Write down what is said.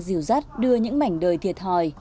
dìu dắt đưa những mảnh đời thiệt hòi